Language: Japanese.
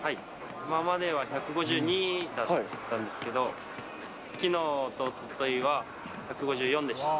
今までは１５２だったんですけど、きのうとおとといは、１５４でした。